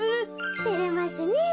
てれますねえ。